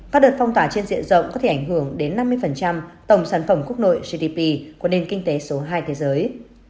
các đợt phong tỏa trên diện rộng có thể ảnh hưởng đến năm mươi tổng sản phẩm quốc nội gdp của nền kinh tế số hai thế giới